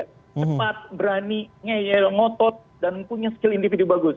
cepat berani ngeyel ngotot dan punya skill individu bagus